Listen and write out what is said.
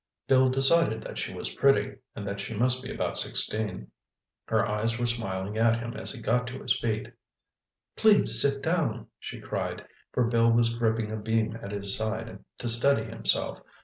Bill decided that she was pretty, and that she must be about sixteen. Her eyes were smiling at him as he got to his feet. "Please sit down," she cried, for Bill was gripping a beam at his side to steady himself.